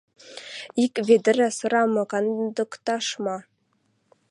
— Ик ведӹрӓ сырам кандыкташ ма?